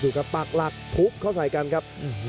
ดูครับปากรัททุบเข้าสายกันครับ